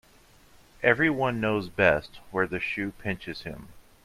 Every one knows best where the shoe pinches him.